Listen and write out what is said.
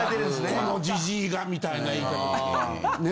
このジジイがみたいな言い方ね？